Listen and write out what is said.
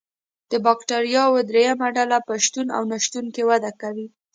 د بکټریاوو دریمه ډله په شتون او نشتون کې وده کوي.